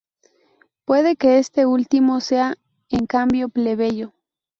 Puede que este último sea, en cambio, plebeyo.